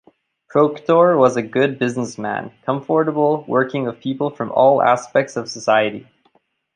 Proctor was a good businessman, comfortable working with people from all aspects of society.